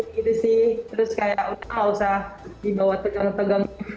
gitu sih terus kayak gak usah dibawa tegang tegang